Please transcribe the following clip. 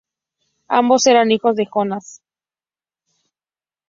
Ambos eran hijos de Jonás.